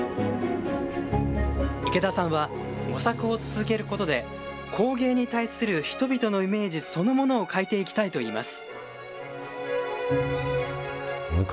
池田さんは、模索を続けることで、工芸に対する人々のイメージそのものを変えていきたいといいます。